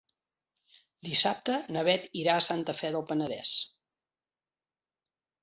Dissabte na Beth irà a Santa Fe del Penedès.